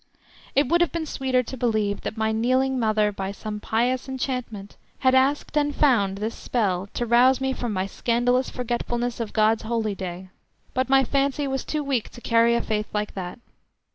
It would have been sweeter to believe that my kneeling mother by some pious enchantment had asked, and found, this spell to rouse me from my scandalous forgetfulness of God's holy day, but my fancy was too weak to carry a faith like that.